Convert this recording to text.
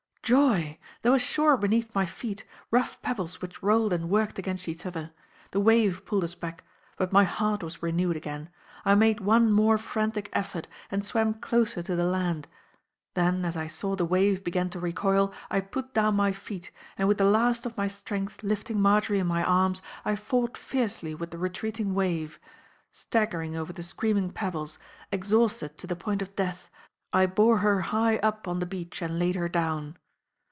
Joy! there was shore beneath my feet, rough pebbles which rolled and worked against each other. The wave pulled us back. But my heart was renewed again. I made one more frantic effort, and swam closer to the land. Then as I saw the wave began to recoil I put down my feet, and with the last of my strength lifting Marjory in my arms I fought fiercely with the retreating wave. Staggering over the screaming pebbles, exhausted to the point of death, I bore her high up on the beach and laid her down.